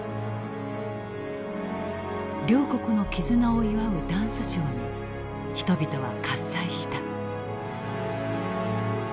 両国の絆を祝うダンスショーに人々は喝采した。